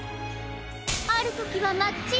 あるときはマッチうり。